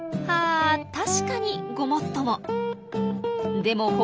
あ確かにごもっとも。